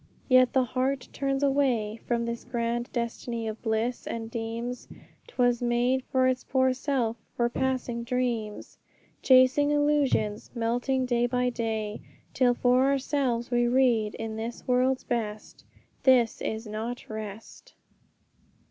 Yet the heart turns away From this grand destiny of bliss, and deems 'Twas made for its poor self, for passing dreams, Chasing illusions melting day by day, Till for ourselves we read on this world's best, 'This is not rest!'